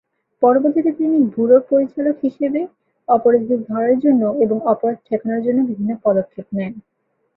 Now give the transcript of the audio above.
পরবর্তীতে তিনি ব্যুরোর পরিচালক হিসেবে অপরাধীদের ধরার জন্য এবং অপরাধ ঠেকানোর জন্য বিভিন্ন পদক্ষেপ নেয়।